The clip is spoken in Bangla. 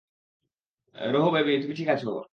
রোহু বেবি, তুমি ঠিক আছো?